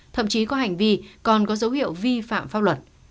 thậm chí có hành vi còn có dấu hiệu vi phạm pháp luật